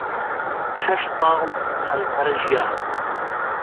شەش ساڵ لە ئەنقەرە ژیاوە.